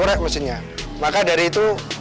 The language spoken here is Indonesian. gak ada cara lain